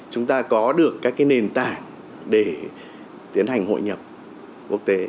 chúng ta có được các nền tảng để tiến hành hội nhập quốc tế